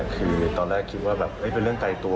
คือตอนแรกคิดว่าแบบเป็นเรื่องไกลตัว